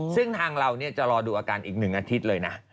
ซึ่งทางเราจะรอดูอาการอีก๑อาทิตย์เลยนะ